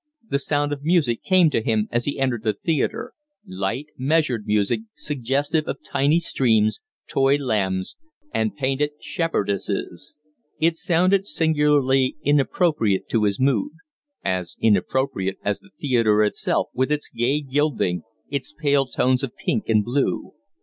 The sound of music came to him as he entered the theatre light, measured music suggestive of tiny streams, toy lambs, and painted shepherdesses. It sounded singularly inappropriate to his mood as inappropriate as the theatre itself with its gay gilding, its pale tones of pink and blue.